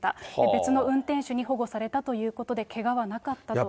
別の運転手に保護されたということで、けがはなかったと。